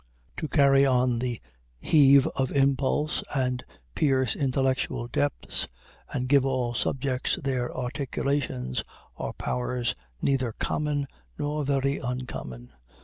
To carry on the heave of impulse and pierce intellectual depths and give all subjects their articulations, are powers neither common nor very uncommon.